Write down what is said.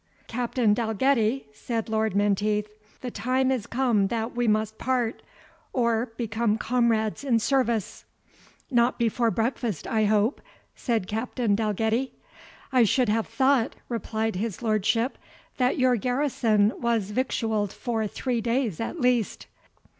"Captain Dalgetty," said Lord Menteith, "the time is come that we must part, or become comrades in service." "Not before breakfast, I hope?" said Captain Dalgetty. "I should have thought," replied his lordship, "that your garrison was victualled for three days at least."